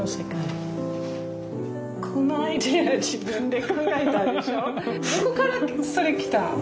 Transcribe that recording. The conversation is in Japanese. どこからそれ来たん？